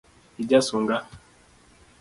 Ija sunga.